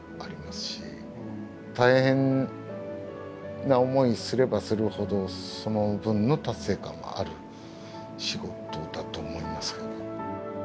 大変な思いすればするほどその分の達成感はある仕事だと思いますけど。